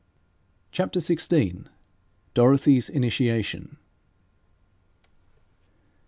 CHAPTER XVI. DOROTHY'S INITIATION.